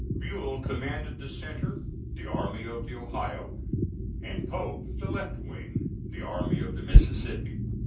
Buell commanded the centre, the Army of the Ohio; and Pope the left wing, the Army of the Mississippi.